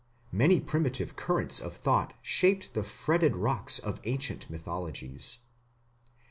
Many primitive currents of thought shaped the fretted rocks of ancient mythologies.